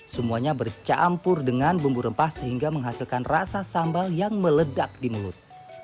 semuanya bercampur dengan bumbu rempah sehingga menghasilkan rasa sambal yang meledak di mulut